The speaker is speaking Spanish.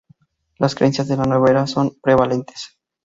Las creencias de la Nueva era son prevalentes.